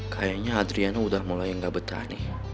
kayaknya adriana udah mulai enggak bertani